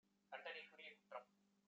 தண்டனைக்குரிய குற்றம்